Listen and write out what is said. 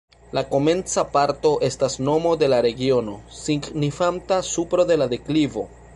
La komenca parto estas nomo de la regiono, signifanta supro de la deklivo.